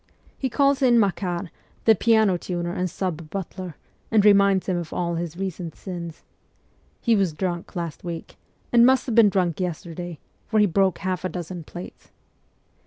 He calls in Makar, the piano tuner and sub butler, and reminds him of all his recent sins. He was drunk last week, and must have been drunk yesterday, for he broke half a dozen plates.